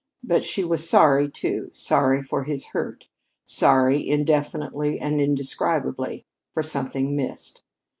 But she was sorry, too, sorry for his hurt; sorry, indefinitely and indescribably, for something missed.